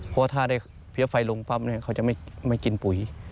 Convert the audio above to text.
เพราะว่าถ้าได้เพี้ยไฟลงปั๊บเขาจะไม่กินปุ๋ย